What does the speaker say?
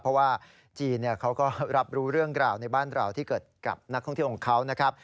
เพราะว่าจีนเขาก็รับรู้เรื่องราวในบ้านเราที่เกิดกับนักท่องเที่ยวของเขานะครับ